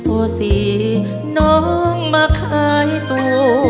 โอ้สิน้องมาคล้ายตัว